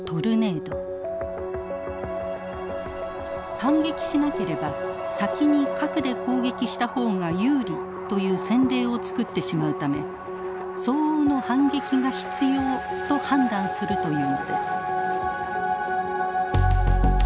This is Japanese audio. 反撃しなければ先に核で攻撃したほうが有利という先例を作ってしまうため相応の反撃が必要と判断するというのです。